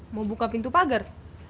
mau buka pintu pagar